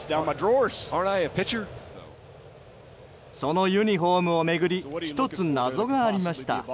そのユニホームを巡り１つ謎がありました。